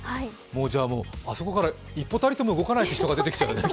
じゃ、あそこから一歩たりとも動かない人が出てきそうだね。